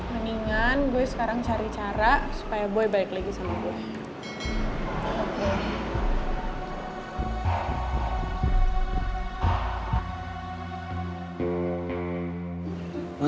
mendingan gue sekarang cari cara supaya gue baik lagi sama gue